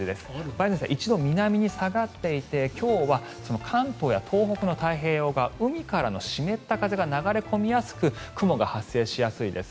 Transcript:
梅雨前線一度、南に下がっていて今日は関東や東北の太平洋側海からの湿った風が流れ込みやすく雲が発生しやすいです。